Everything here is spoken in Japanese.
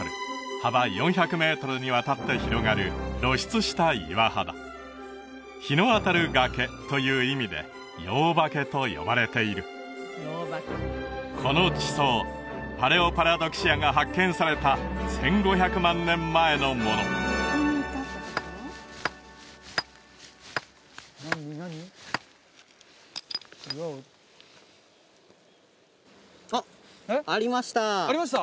幅４００メートルにわたって広がる露出した岩肌「日の当たる崖」という意味で「ようばけ」と呼ばれているこの地層パレオパラドキシアが発見された１５００万年前のものあっありましたえっありました？